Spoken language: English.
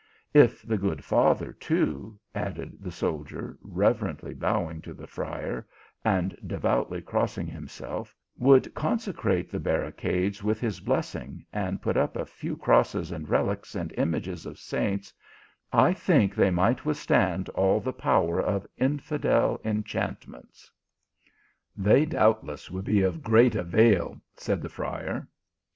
If the good father too," added the soldier, reverently bowing to the friar, and de voutly crossing himself, " would consecrate the bar ricadoes with his blessing, and put up a few crosses and reliques, and images of saints, I think they might withstand all the power of infidel enchant ments." "They doubtless would be of great avail," said the friar.